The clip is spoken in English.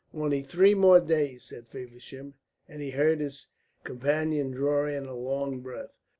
"Only three more days," said Feversham, and he heard his companion draw in a long breath.